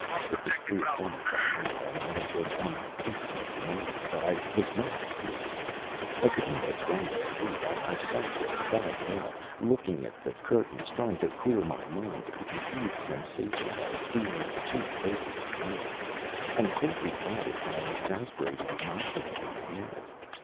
It was three o'clock by now and I had been on my feet since nine, but I was not sleepy; I could not have gone to sleep. I sat there, fagged out, looking at the curtains, trying to clear my mind of the confused sensation of being in two places at once, and greatly bothered by an exasperating knocking in my head.